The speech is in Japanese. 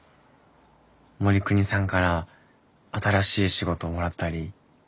護国さんから新しい仕事もらったり。